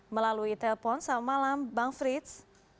melalui telpon selamat malam bang fritz